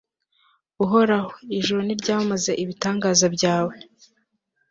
uhoraho, ijuru niryamamaze ibitangaza byawe